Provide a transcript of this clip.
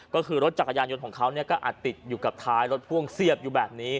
ก็คือรถจักรยานยนต์ของเขาก็อัดติดอยู่กับท้ายรถพ่วงเสียบอยู่แบบนี้